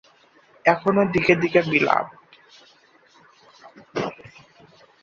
এখনো দিকে দিকে বিলাপ।